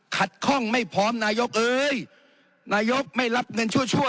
ขัดข้องไม่พร้อมนายกนายกไม่รับเงินชั่ว